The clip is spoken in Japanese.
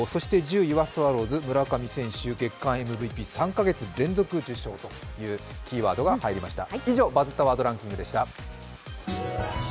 １０位はスワローズ村上選手、月間ＭＶＰ３か月連続受賞というキーワードが入りました。